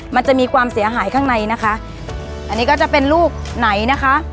มันจะมีความเสียหายข้างในนะคะอันนี้ก็จะเป็นลูกไหนนะคะ